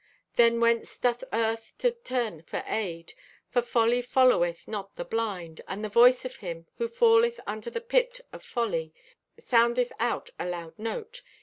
"Then whence doth Earth to turn for aid? For Folly followeth not the blind, and the voice of him who falleth unto the pit of Folly soundeth out a loud note.